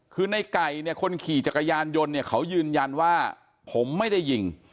คือในไก่เนี่ยคนขี่จักรยานยนต์เนี่ยเขายืนยันว่าผมไม่ได้ยิง